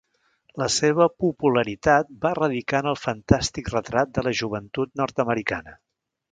La seva popularitat va radicar en el fantàstic retrat de la joventut nord-americana.